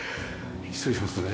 失礼しますね。